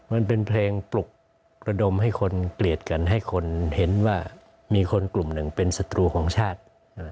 มันเป็นเพลงปลุกระดมให้คนเกลียดกันให้คนเห็นว่ามีคนกลุ่มหนึ่งเป็นศัตรูของชาติ